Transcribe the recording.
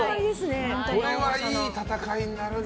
これはいい戦いになるんじゃ。